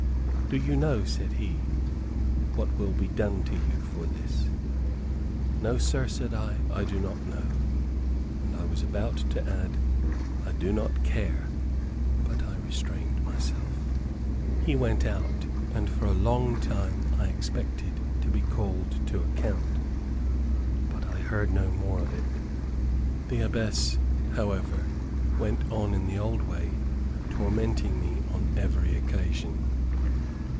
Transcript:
"Do you know," said he, "what will be done to you for this?" "No, sir," said I, "I do not know," and I was about to add, "I do not care," but I restrained myself. He went out, and for a long time I expected to be called to account, but I heard no more of it. The Abbess, however, went on in the old way, tormenting me on every occasion.